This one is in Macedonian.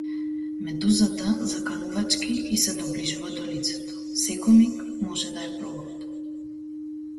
Медузата заканувачки ѝ се доближува до лицето, секој миг може да ја проголта.